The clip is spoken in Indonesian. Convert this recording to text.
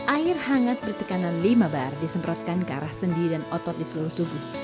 air hangat bertekanan lima bar disemprotkan ke arah sendi dan otot di seluruh tubuh